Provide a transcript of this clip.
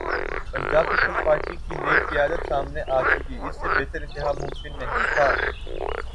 پنجاب پیپلزپارٹی کی نئی قیادت سامنے آ چکی اس سے بہتر انتخاب ممکن نہیں تھا۔